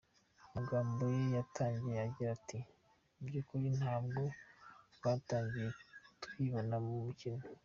Mu magambo ye yatangiye agira ati “Mu by'ukuri ntabwo twatangiye twibona mu mukino.